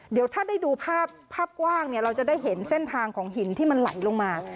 เดี๋ยวถ้าได้ดูภาพภาพกว้างเนี่ยเราจะได้เห็นเส้นทางของหินที่มันไหลลงมา